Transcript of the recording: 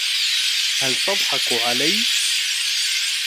هل تضحك علي ؟